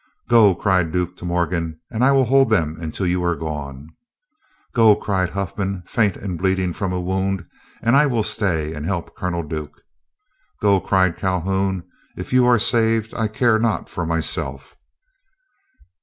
"Go!" cried Duke to Morgan, "and I will hold them until you are gone." "Go!" cried Huffman, faint and bleeding from a wound, "and I will stay and help Colonel Duke." "Go!" cried Calhoun, "if you are saved I care not for myself."